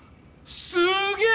すげえ！